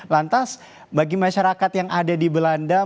lantas bagi masyarakat yang ada di belanda